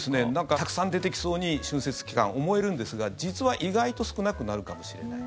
たくさん出てきそうに春節期間、思えるんですが実は意外と少なくなるかもしれない。